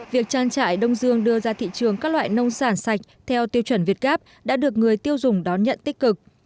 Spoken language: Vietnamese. việc trang trại đông dương đưa ra thị trường các loại nông sản sạch theo tiêu chuẩn việt gáp đã được người tiêu dùng đón nhận tích cực